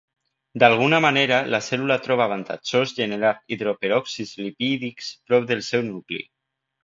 D'alguna manera la cèl·lula troba avantatjós generar hidroperòxids lipídics prop del seu nucli.